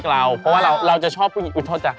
แต่คนที่ลืมเริ่มจากคุยกันก่อนนะ